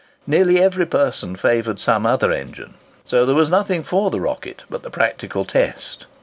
Nearly every person favoured some other engine, so that there was nothing for the "Rocket" but the practical test.